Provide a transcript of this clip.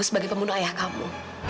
sebagai pembunuh ayah kamu